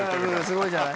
すごいじゃない。